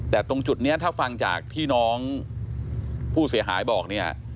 แต่ตรงจุดนี้ถ้าฟังจากที่น้องผู้เสียหายบอกเนี่ย